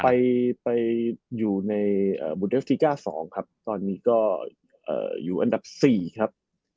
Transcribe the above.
นวดแบกอยู่ในโบเดียร์๔๙๒ครับตอนนี้อยู่อันดับ๔ครับ